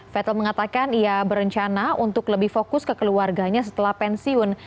vettle mengatakan ia berencana untuk lebih fokus ke keluarganya setelah pensiun